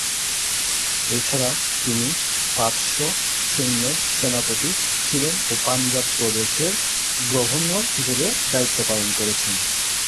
এছাড়া তিনি পাঁচশ সৈন্যের সেনাপতি ছিলেন ও পাঞ্জাব প্রদেশের গভর্নর হিসেবে দায়িত্ব পালন করেছেন।